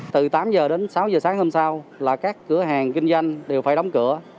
từ tám h đến sáu h sáng hôm sau là các cửa hàng kinh doanh đều phải đóng cửa